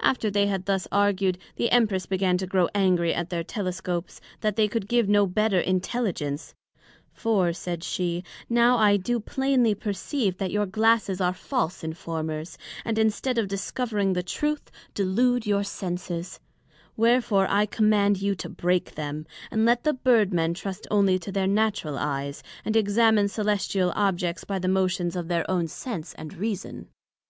After they had thus argued, the Empress began to grow angry at their Telescopes, that they could give no better Intelligence; for, said she, now I do plainly perceive, that your Glasses are false Informers, and instead of discovering the Truth, delude your Senses; Wherefore I Command you to break them, and let the Bird men trust onely to their natural eyes, and examine Cœlestial Objects by the motions of their own Sense and Reason.